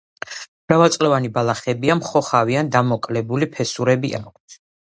მრავალწლოვანი ბალახებია, მხოხავი ან დამოკლებული ფესურები აქვთ.